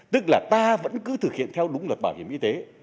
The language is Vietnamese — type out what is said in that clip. ta vẫn cứ thực hiện theo đúng luật bảo hiểm y tế